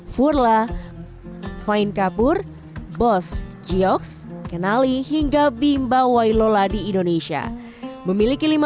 furla fine kapur boss giox kenali hingga bimba wailola di indonesia memiliki lima puluh